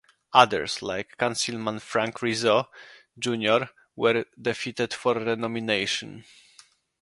Others, like Councilman Frank Rizzo, Junior were defeated for renomination.